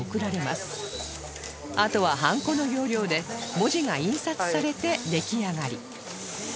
あとはハンコの要領で文字が印刷されて出来上がり